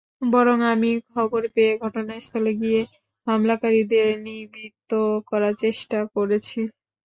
বরং আমি খবর পেয়ে ঘটনাস্থলে গিয়ে হামলাকারীদের নিবৃত্ত করার চেষ্টা করেছি।